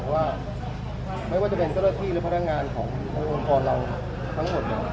ว่าไม่ว่าจะเป็นเจ้าหน้าที่หรือพนักงานขององค์กรเราทั้งหมดเนี่ย